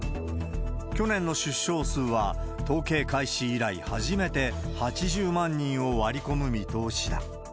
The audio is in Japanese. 去年の出生数は、統計開始以来初めて８０万人を割り込む見通しだ。